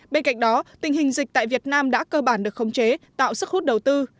bên cạnh đó tình hình dịch tại việt nam đã cơ bản được khống chế tạo sức hút đầu tư